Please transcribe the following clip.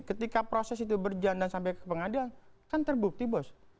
ketika proses itu berjalan sampai ke pengadilan kan terbukti bos